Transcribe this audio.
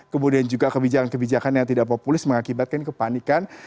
kemudian juga kebijakan kebijakan yang tidak populis mengakibatkan kepanikan